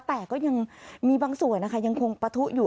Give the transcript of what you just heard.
แต่ก็ยังมีบางส่วนนะคะยังคงปะทุอยู่